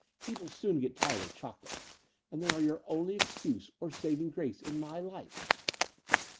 People soon get tired of chocolates; and they are your only excuse or saving grace in my life."